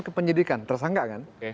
ke penyidikan tersangka kan